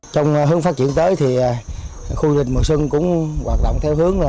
trong hướng phát triển tới thì khu du lịch mùa xuân cũng hoạt động theo hướng là